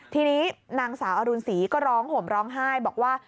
ทีนี้นางสาวอรุณศรีก็ร้องห่มร้องไห้บอกว่า